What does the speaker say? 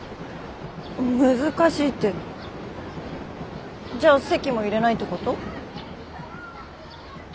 難しいってじゃあ籍も入れないってこと？